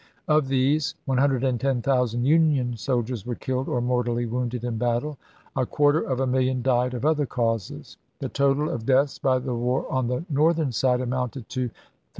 Of these 110,000 Union soldiers were killed or mortally wounded in battle ; 2 a quar ter of a million died of other causes. The total of deaths by the war on the Northern side amounted to 360,282.